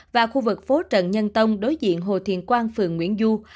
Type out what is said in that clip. và khu vực phố trận nhân tông đối diện hồ thiền quang phường nguyễn du